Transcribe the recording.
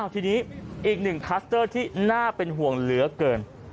ทีนี้อีกหนึ่งคลัสเตอร์ที่น่าเป็นห่วงเหลือเกิน